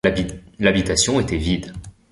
L’habitation était vide!